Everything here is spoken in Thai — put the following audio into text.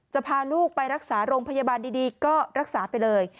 พาลูกไปรักษาโรงพยาบาลดีก็รักษาไปเลย